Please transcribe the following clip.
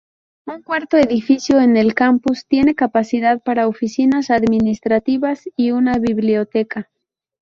Un cuarto edificio en el campus tiene capacidad para oficinas administrativas y una biblioteca.